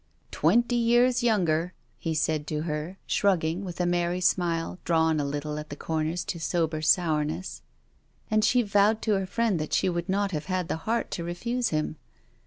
'Twenty years younger!' he said to her, shrugging, with a merry smile drawn a little at the corners to sober sourness; and she vowed to her friend that she would not have had the heart to refuse him.